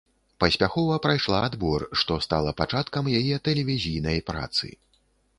Паспяхова прайшла адбор, што стала пачаткам яе тэлевізійнай працы.